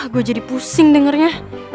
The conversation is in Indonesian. gue jadi pusing dengernya